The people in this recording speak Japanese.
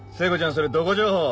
それどこ情報？